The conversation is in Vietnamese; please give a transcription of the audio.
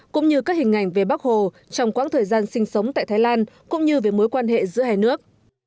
cũng như các hình ảnh về bác hồ trong quãng thời gian sinh sống tại thái lan cũng như về mối quan hệ giữa hai nước